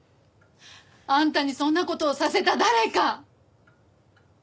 あんたにそんな事をさせた誰か！